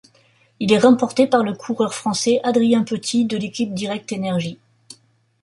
Il est remporté par le coureur français Adrien Petit, de l'équipe Direct Énergie.